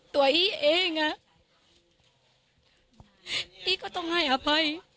ตัวอีกเองอ่ะอีกก็ต้องให้อภัย